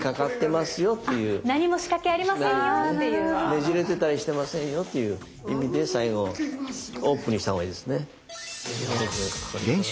ねじれてたりしてませんよっていう意味で最後オープンにした方がいいですね。